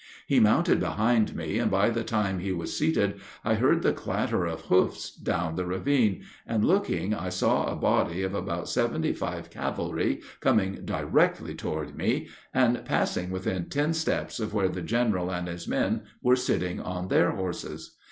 He mounted behind me, and by the time he was seated I heard the clatter of hoofs down the ravine, and, looking, I saw a body of about seventy five cavalry coming directly toward me, and passing within ten steps of where the general and his men were sitting on their horses.